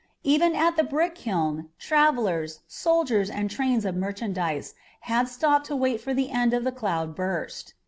Even at the brick kiln travellers, soldiers, and trains of merchandise had stopped to wait for the end of the cloud burst.